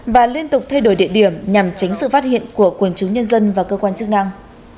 và liên tục thay đổi địa điểm nhằm tránh sự phát hiện của quần chúng nhân dân và cơ quan chức năng